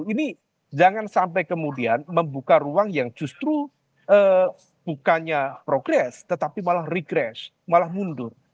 ini jangan sampai kemudian membuka ruang yang justru bukannya progres tetapi malah regress malah mundur